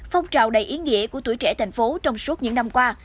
phong trào đầy ý nghĩa của tuổi trẻ thành phố trong suốt những năm qua